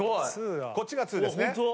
こっちが２ですね。